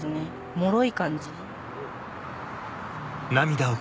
もろい感じ。